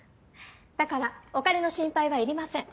だからお金の心配はいりません。